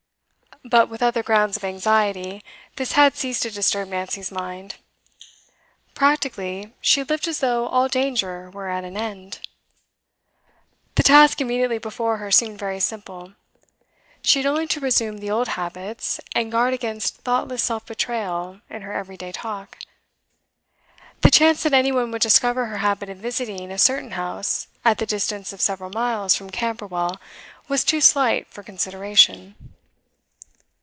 But, with other grounds of anxiety, this had ceased to disturb Nancy's mind. Practically, she lived as though all danger were at an end. The task immediately before her seemed very simple; she had only to resume the old habits, and guard against thoughtless self betrayal in her everyday talk. The chance that any one would discover her habit of visiting a certain house at the distance of several miles from Camberwell, was too slight for consideration.